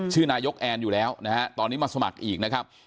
ชื่อนายกแอนอยู่แล้วนะฮะตอนนี้มาสมัครอีกนะครับ